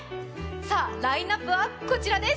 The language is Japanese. さあ、ラインナップはこちらです。